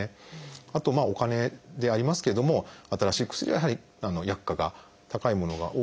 あとお金でありますけれども新しい薬はやはり薬価が高いものが多いです。